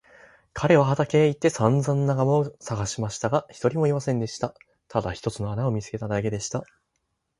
彼は畑へ行ってさんざん仲間をさがしましたが、一人もいませんでした。ただ一つの穴を見つけただけでした。